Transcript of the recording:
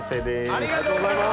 ありがとうございます！